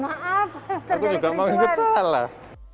maaf aku juga mau ikut salah